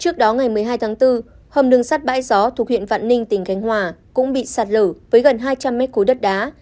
trước đó ngày một mươi hai tháng bốn hầm đường sắt bãi gió thuộc huyện vạn ninh tỉnh khánh hòa cũng bị sạt lở với gần hai trăm linh m khối đất đá